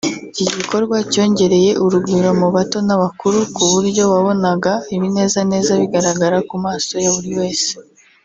Iki gikorwa cyongereye urugwiro mu bato n’abakuru ku buryo wabonaga ibinezaneza bigaragara ku maso ya buri wese